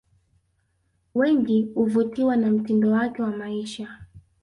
Wengi uvutiwa na mtindo wake wa maisha